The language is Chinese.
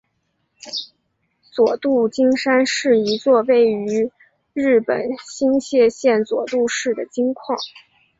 佐渡金山是一座位于日本新舄县佐渡市的金矿。